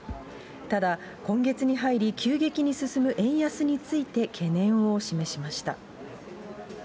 ただ、今月に入り急激に進む円安について、懸念を示しました。